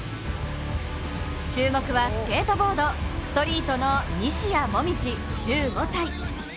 注目はスケートボードストリートの西矢椛１５歳。